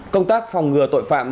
công tác phòng ngừa tội phạm